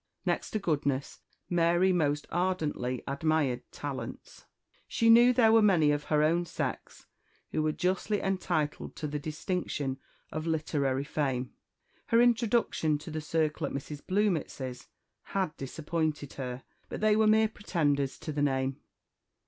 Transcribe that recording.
Next to goodness Mary most ardently admired talents. She knew there were many of her own sex who were justly entitled to the distinction of literary fame. Her introduction to the circle at Mrs. Bluemits's had disappointed her; but they were mere pretenders to the name.